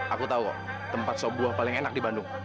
aku tahu kok tempat sebuah paling enak di bandung